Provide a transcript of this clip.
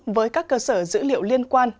với các cơ sở dữ liệu liên quan